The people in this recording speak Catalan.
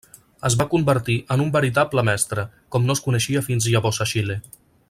Es va convertir en un veritable mestre, com no es coneixia fins llavors a Xile.